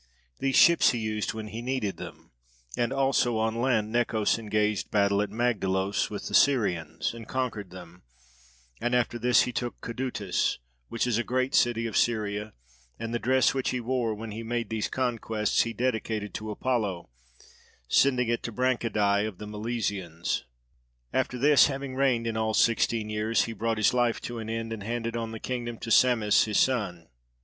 These ships he used when he needed them; and also on land Necos engaged battle at Magdolos with the Syrians, and conquered them; and after this he took Cadytis, which is a great city of Syria: and the dress which he wore when he made these conquests he dedicated to Apollo, sending it to Branchidai of the Milesians. After this, having reigned in all sixteen years, he brought his life to an end, and handed on the kingdom to Psammis his son.